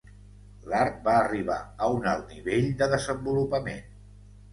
L'art va arribar a un alt nivell de desenvolupament.